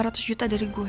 lima ratus ribu dari gue